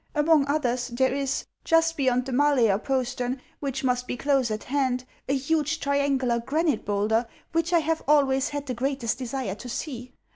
Among others, there is, just beyond the Malaer postern, which must be close at hand, a huge triangular granite bowlder, which I have always had the greatest desire to see.